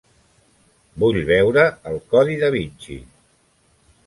Vull veure el Codi Da Vinci